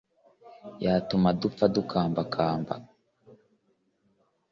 yatuma dupfa dukambakamba